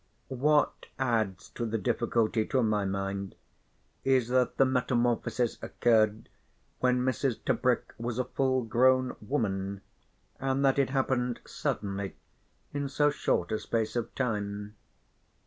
What adds to the difficulty to my mind is that the metamorphosis occurred when Mrs. Tebrick was a full grown woman, and that it happened suddenly in so short a space of time.